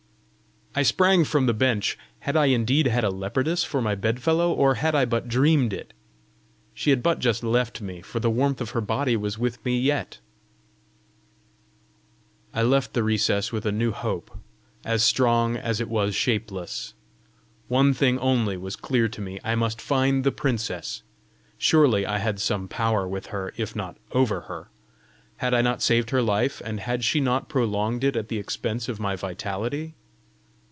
I sprang from the bench. Had I indeed had a leopardess for my bedfellow, or had I but dreamed it? She had but just left me, for the warmth of her body was with me yet! I left the recess with a new hope, as strong as it was shapeless. One thing only was clear to me: I must find the princess! Surely I had some power with her, if not over her! Had I not saved her life, and had she not prolonged it at the expense of my vitality?